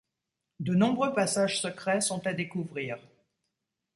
De nombreux passages secrets sont à découvrir.